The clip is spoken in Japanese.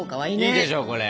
いいでしょこれ。